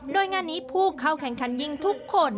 โดยงานนี้ผู้เข้าแข่งขันยิงทุกคน